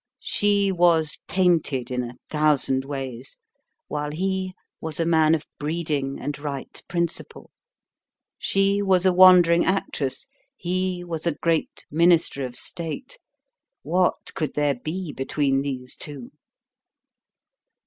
She was tainted in a thousand ways, while he was a man of breeding and right principle. She was a wandering actress; he was a great minister of state. What could there be between these two?